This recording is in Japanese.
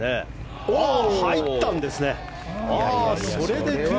入ったんですね！